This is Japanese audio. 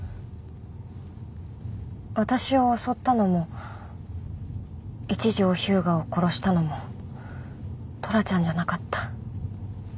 私を襲ったのも一条彪牙を殺したのもトラちゃんじゃなかった。